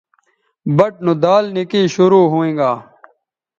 بَٹ نو دال نِکئ شروع ھوینگا